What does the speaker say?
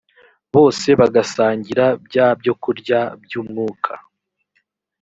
bose bagasangira bya byokurya by umwuka